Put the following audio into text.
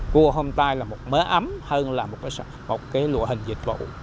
cua homestay là một mớ ấm hơn là một lộ hình dịch vụ